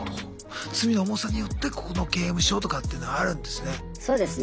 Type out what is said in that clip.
罪の重さによってここの刑務所とかっていうのあるんですね。